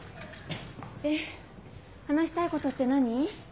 で話したいことって何？